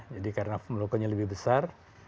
jadi karena melukunya lebih besar